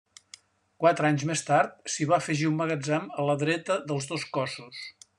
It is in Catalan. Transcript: Quatre anys més tard s'hi va afegir un magatzem a la dreta dels dos cossos.